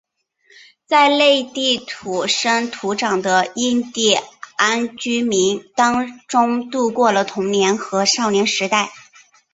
在内地土生土长的印第安居民当中度过了童年和少年时代。